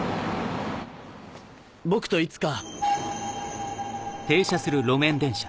僕といつか。